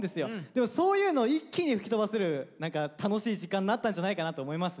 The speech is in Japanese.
でもそういうのを一気に吹き飛ばせる何か楽しい時間になったんじゃないかなと思いますね。